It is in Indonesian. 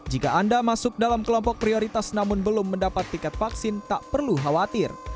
jika anda masuk dalam kelompok prioritas namun belum mendapat tiket vaksin tak perlu khawatir